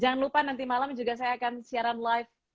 jangan lupa nanti malam juga saya akan siaran live